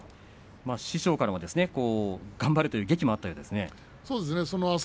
師匠からも頑張れとげきもあったようですね。